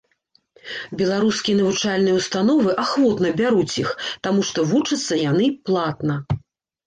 Беларускія навучальныя ўстановы ахвотна бяруць іх, таму што вучацца яны платна.